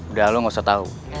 udah lo gak usah tau